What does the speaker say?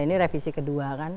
ini revisi kedua kan